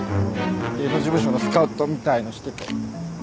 芸能事務所のスカウトみたいのしてて。